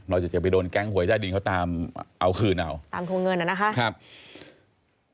นอกจากจะไปโดนแก๊งหวยใต้ดินเขาตามเอาคืนเอาตามโครงเงินอะนะคะ